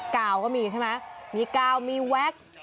กาวก็มีใช่ไหมมีกาวมีแว็กซ์